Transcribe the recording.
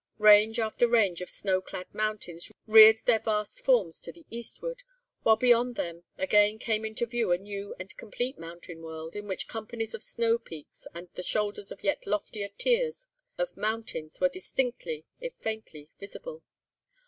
Range after range of snow clad mountains reared their vast forms to the eastward, while beyond them again came into view a new and complete mountain world, in which companies of snow peaks and the shoulders of yet loftier tiers of mountains were distinctly, if faintly, visible.